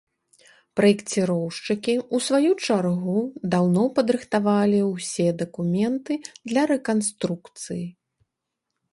Праекціроўшчыкі, у сваю чаргу, даўно падрыхтавалі ўсе дакументы для рэканструкцыі.